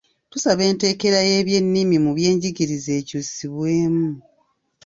Tusaba enteekera y'ebyennimi mu by'enjigiriza ekyusibwemu.